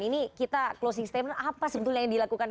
ini closing statement apa yang dilakukan